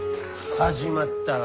始まったわ。